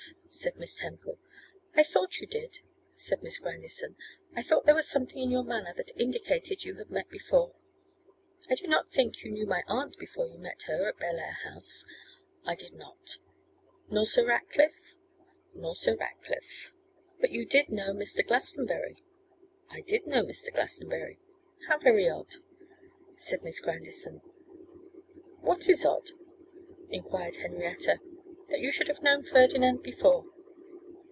said Miss Temple. 'I thought you did,' said Miss Grandison, 'I thought there was something in your manner that indicated you had met before. I do not think you knew my aunt before you met her at Bellair House?' 'I did not.' 'Nor Sir Ratclifle?' 'Nor Sir Ratclifle.' 'But you did know Mr. Glastonbury?' 'I did know Mr. Glastonbury.' 'How very odd!' said Miss Grandison. 'What is odd?' enquired Henrietta. 'That you should have known Ferdinand before.